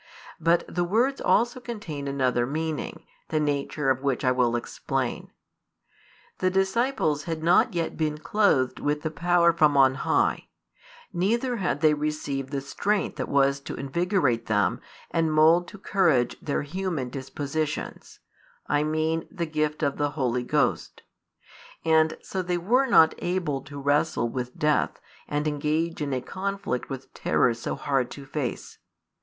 But the words also contain another meaning, the nature of which I will explain. The disciples had not yet been clothed with the power from on high, neither had they received the strength that was to invigorate them and mould to courage their human dispositions, I mean the gift of the Holy Ghost; and so they were not able to wrestle with death and engage in a conflict with terrors so hard to face.